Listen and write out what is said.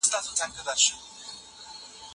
څېړونکو د مهمو جینونو لټه وکړه.